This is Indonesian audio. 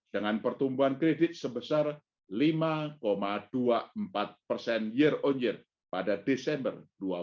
dengan pertumbuhan kredit sebesar lima dua puluh empat persen year on year pada desember dua ribu dua puluh